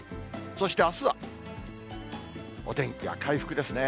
そしてあすは、お天気は回復ですね。